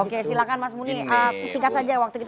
oke silahkan mas muni singkat saja waktu kita